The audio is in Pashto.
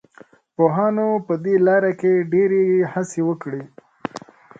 پوهانو په دې لاره کې ډېرې هڅې وکړې.